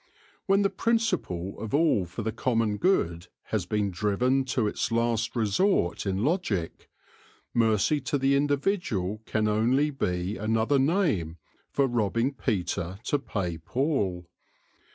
When the principle of all for the common good has been driven to its last resort in logic, mercy to the indi vidual can only be another name for robbing Peter to pay Paul.